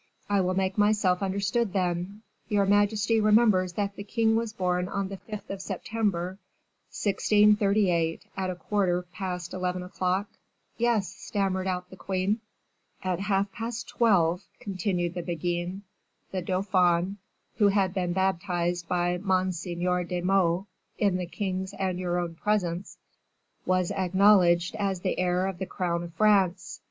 "I will make myself understood, then. Your majesty remembers that the king was born on the 5th of September, 1638, at a quarter past eleven o'clock." "Yes," stammered out the queen. "At half past twelve," continued the Beguine, "the dauphin, who had been baptized by Monseigneur de Meaux in the king's and your own presence, was acknowledged as the heir of the crown of France.